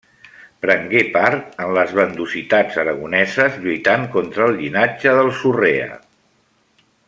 Prengué part en les bandositats aragoneses lluitant contra el llinatge dels Urrea.